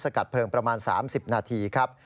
กัดเพลิงประมาณ๓๐นาทีครับ